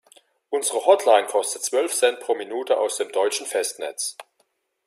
Unsere Hotline kostet zwölf Cent pro Minute aus dem deutschen Festnetz.